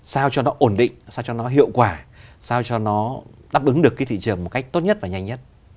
sao cho nó ổn định sao cho nó hiệu quả sao cho nó đáp ứng được cái thị trường một cách tốt nhất và nhanh nhất